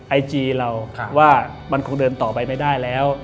ไอจีเราว่ามันคงเดินต่อไปไม่ได้แล้ว